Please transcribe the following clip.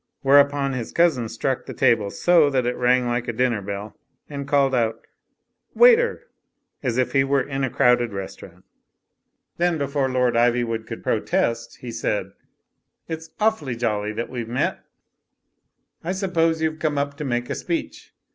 Whereupon his cousin struck the table so that.it rang like a dinner bell and called out, "Waiter !" as if he were in a crowded restaurant. Then, before Lord Ivywood could protest, he said: "It's awfully jolly that we've n^fc...Xv^»gPPS« 2i8 THE FLYING INN youVe come up to rnake a speech.